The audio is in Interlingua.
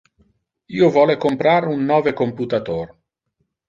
Io vole comprar un nove computator.